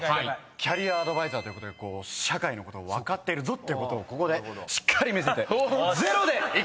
キャリアアドバイザーということで社会のこと分かってるってことをここでしっかり見せてゼロでいきたいと思います！